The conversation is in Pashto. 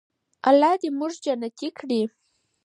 الله دې موږ جنتي کړي.